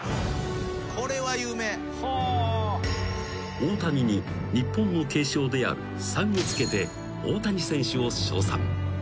［大谷に日本の敬称である「さん」をつけて大谷選手を称賛］